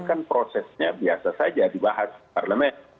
kan prosesnya biasa saja dibahas di parlemen